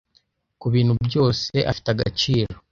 kubintu byose afite agaciro